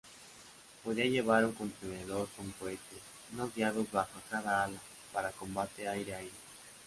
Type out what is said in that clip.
Podía llevar un contenedor con cohetes no guiados bajo cada ala, para combate aire-aire.